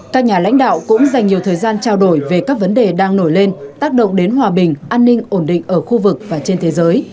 các nhà lãnh đạo cũng dành nhiều thời gian trao đổi về các vấn đề đang nổi lên tác động đến hòa bình an ninh ổn định ở khu vực và trên thế giới